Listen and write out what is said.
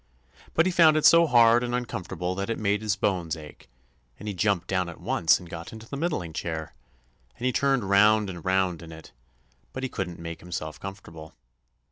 But he found it so hard and uncomfortable that it made his bones ache, and he jumped down at once and got into the middling chair, and he turned round and round in it, but he couldn't make himself comfortable.